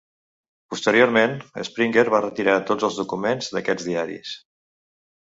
Posteriorment, Springer va retirar tots els documents d"aquests diaris.